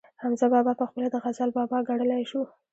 حمزه بابا پخپله د غزل بابا ګڼلی شو